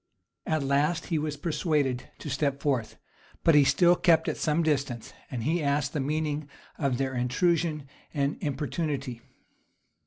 At last he was persuaded to step forth, but he still kept at some distance; and he asked the meaning of their intrusion and importunity.